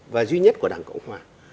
và duy nhất của đảng cộng hòa